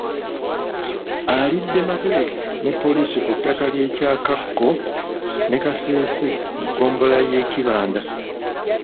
Alidde matereke ne poliisi ku ttaka ly'e Kyakago ne Kasese mu ggombolola y'e Kibanda.